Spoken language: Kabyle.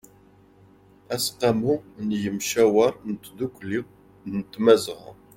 aseqqamu n ymcawer n tdukli n tmazɣa